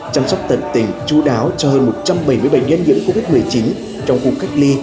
chăm sóc tận tình chú đáo cho hơn một trăm bảy mươi bảy nhân dưỡng covid một mươi chín trong cuộc cách ly